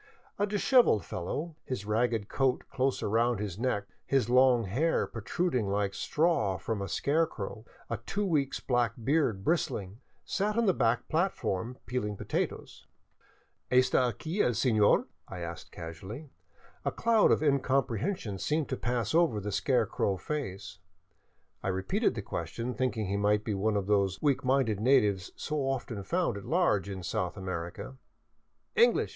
A dishevelled fellow, his ragged coat close up around his neck, his long hair protruding like straw from a scarecrow, a two weeks' black beard bristling, sat on the back plat form, peeling potatoes. " Esta aqui el Senor ?" I asked casually. A cloud of incomprehension seemed to pass over the scarecrow face. I repeated the question, thinking he might be one of those weak , minded natives so often found at large in South America. " English